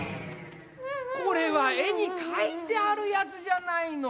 これはえにかいてあるやつじゃないの。